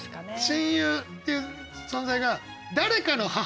「親友」っていう存在が「誰かの母」。